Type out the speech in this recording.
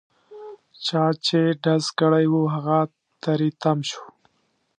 چا چې ډز کړی وو هغه تري تم شو.